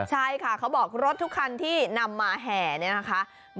ใช่ค่ะเขาบอกรถทุกคันที่นำมาแห่เนี่ยนะคะ